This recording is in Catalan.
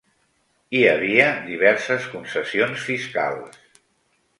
Hi havia diverses concessions fiscals.